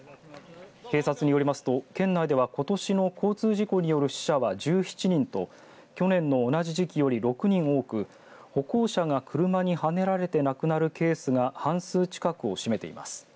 警察によりますと県内ではことしの交通事故による死者は１７人と去年の同じ時期より６人多く歩行者が車にはねられて亡くなるケースが半数近くを占めています。